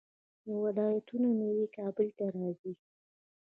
د ولایتونو میوې کابل ته راځي.